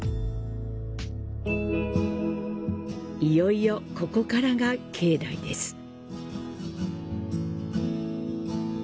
いよいよここからが境内です。